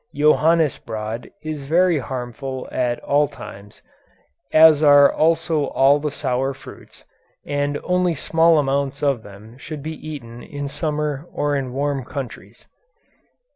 Johannesbrod is very harmful at all times, as are also all the sour fruits, and only small amounts of them should be eaten in summer or in warm countries.